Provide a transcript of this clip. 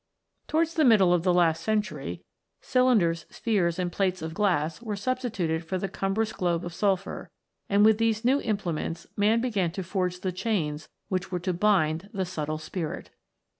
Towards the middle of the last century, cylinders, spheres, and plates of glass, were substituted for the cumbrous globe of sulphur, and with these new implements man began to forge the chains which were to bind the subtle Spirit.